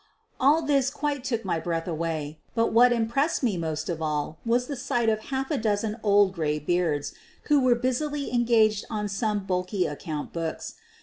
"All this quite took my breath away, but what im pressed me most of all was the sight of half a dozen old graybeards who were busily engaged on some bulky account books.